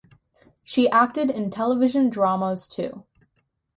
She acted in television dramas too.